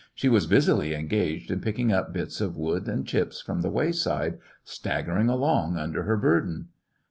She was busily en gaged in picking up bits of wood and chips from the wayside, staggering along under her burden.